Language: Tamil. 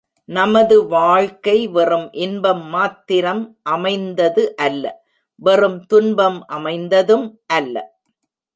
நமது வாழ்க்கை வெறும் இன்பம் மாத்திரம் அமைந்தது அல்ல வெறும் துன்பம் அமைந்ததும் அல்ல.